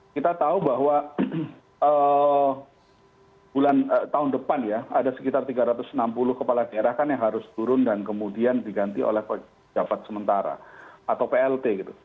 kita tahu bahwa tahun depan ya ada sekitar tiga ratus enam puluh kepala daerah kan yang harus turun dan kemudian diganti oleh pejabat sementara atau plt gitu